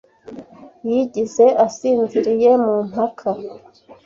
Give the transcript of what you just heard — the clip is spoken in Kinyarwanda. Yigize asinziriye mu mpaka.